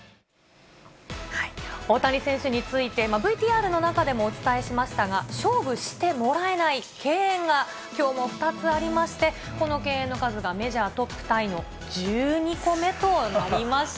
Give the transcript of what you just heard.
大谷選手について、ＶＴＲの中でもお伝えしましたが、勝負してもらえない、敬遠がきょうも２つありまして、この敬遠の数がメジャートップタイの１２個目となりました。